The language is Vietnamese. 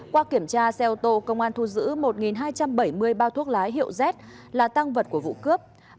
qua kiểm tra xe ô tô công an thu giữ một hai trăm bảy mươi bao thuốc lá hiệu z là tăng vật của vụ cướp